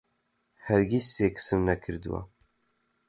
هەرگیز سێکسم نەکردووە.